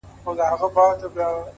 • او تر آس نه یم په لس ځله غښتلی ,